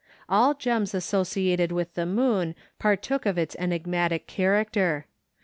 All gems associated with the moon partook of its enigmatic character.